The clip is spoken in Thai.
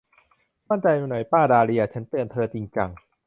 มั่นใจหน่อยป้าดาห์เลีย ฉันเตือนเธอจริงจัง